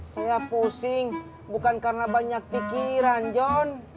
saya pusing bukan karena banyak pikiran john